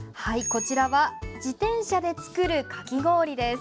こちらは自転車で作るかき氷です。